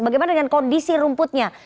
bagaimana dengan kondisi rumputnya